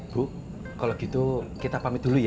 bu kalau gitu kita pamit dulu ya